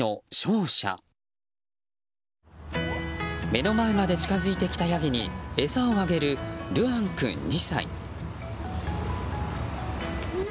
目の前まで近づいてきたヤギに餌をあげる琉空君、２歳。